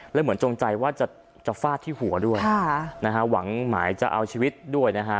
แล้วเหมือนจงใจว่าจะฟาดที่หัวด้วยนะฮะหวังหมายจะเอาชีวิตด้วยนะฮะ